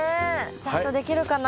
ちゃんとできるかな？